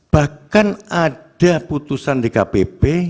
bahkan ada putusan di kpp